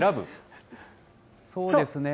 そうですね。